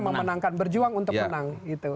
memenangkan berjuang untuk menang